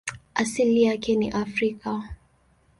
Asili yake ni Afrika.